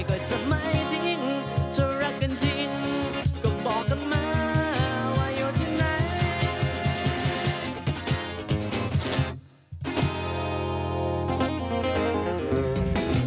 ก็ทำไมจริงเธอรักกันจริงก็บอกกันมาว่าอยู่ที่ไหน